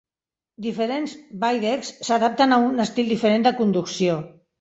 Diferents bidecks s'adapten a un estil diferent de conducció.